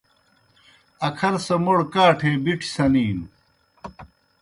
اکھر سہ موْڑ کاٹھے بِٹھیْ سنِینوْ۔